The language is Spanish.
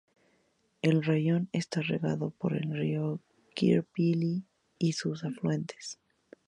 El raión está regado por el río Kirpili y sus afluentes.